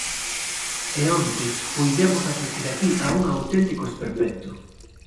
E onte puidemos asistir aquí a un auténtico esperpento.